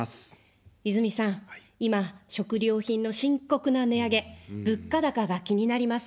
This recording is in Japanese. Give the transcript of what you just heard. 泉さん、今、食料品の深刻な値上げ、物価高が気になります。